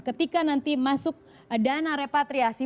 ketika nanti masuk dana repatriasi